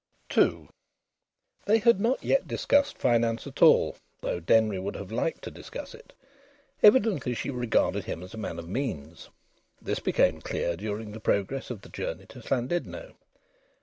II They had not yet discussed finance at all, though Denry would have liked to discuss it. Evidently she regarded him as a man of means. This became clear during the progress of the journey to Llandudno.